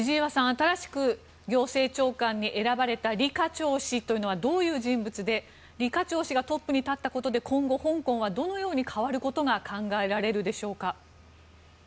新しく行政長官に選ばれたリ・カチョウ氏というのはどういう人物でリ・カチョウ氏がトップに立ったことで今後、香港はどのように変わることが考えられるでしょうか。